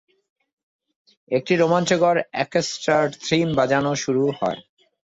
একটি রোমাঞ্চকর orchestra theme বাজানো শুরু হয়।